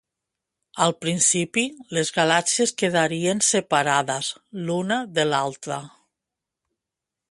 Al principi, les galàxies quedarien separades l'una de l'altra.